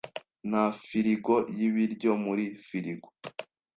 Nta firigo y'ibiryo muri firigo.